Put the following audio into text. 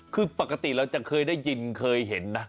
คือปกติเราจะเคยได้ยินเคยเห็นนะ